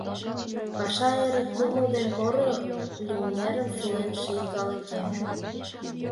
Паша, эрык кумыл ден поро лӱм-нерым сулен Ший калыкем.